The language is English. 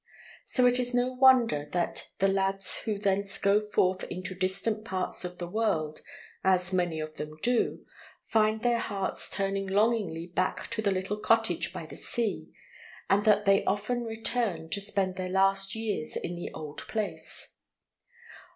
So it is no wonder that the lads who thence go forth into distant parts of the world, as many of them do, find their hearts turning longingly back to the little cottage by the sea, and that they often return to spend their last years in the old place.